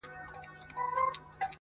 ما خپله کیسه کول ګرېوان راسره وژړل.!